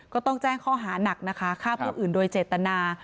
ก็ต้องแจ้งข้อหานักนะคะฆ่าผู้อื่นโดยเจตนา